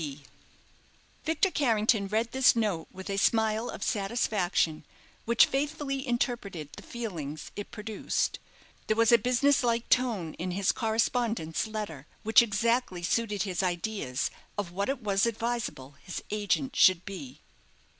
C. B._" Victor Carrington read this note with a smile of satisfaction, which faithfully interpreted the feelings it produced. There was a business like tone in his correspondent's letter which exactly suited his ideas of what it was advisable his agent should be.